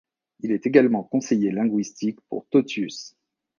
Il est également conseiller linguistique pour Totius.